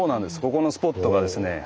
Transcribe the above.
ここのスポットがですね